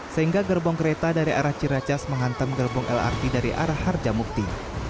sehingga gerbong kereta dari arah ciracas menghantam gerbong lrt dari arah harjamukti